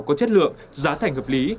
có chất lượng giá thành hợp lý